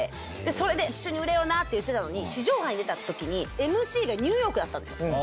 それで「一緒に売れような」って言ってたのに地上波に出た時にＭＣがニューヨークだったんですよ。